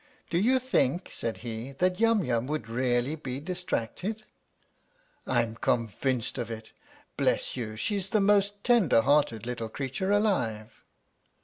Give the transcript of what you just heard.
" Do you think," said he, " that Yum Yum would really be distracted ?"" I'm convinced of it. Bless you, she's the most tender hearted little creature alive."